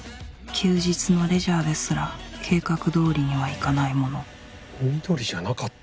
休日のレジャーですら計画通りにはいかないもの翠じゃなかった？